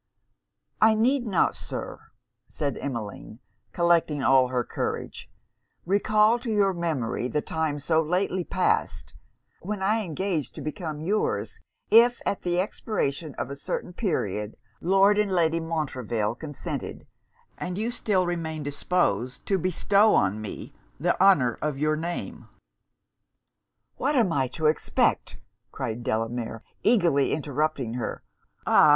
'I need not, Sir,' said Emmeline, collecting all her courage, 'recall to your memory the time so lately passed, when I engaged to become your's, if at the expiration of a certain period Lord and Lady Montreville consented, and you still remained disposed to bestow on me the honour of your name.' 'What am I to expect,' cried Delamere, eagerly interrupting her 'Ah!